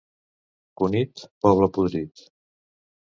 Cunit, poble podrit.